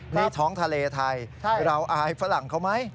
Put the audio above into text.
นี่ท้องทะเลไทยเราอายฝรั่งเขาไหม